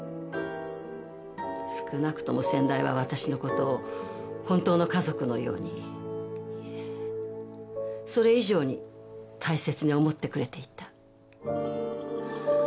少なくとも先代は私の事を本当の家族のようにいえそれ以上に大切に思ってくれていた。